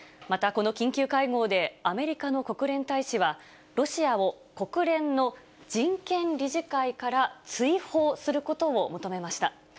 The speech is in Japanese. またこの緊急会合で、アメリカの国連大使は、ロシアを国連の人権理事会から追放することを求めました。